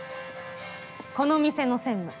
この店の専務。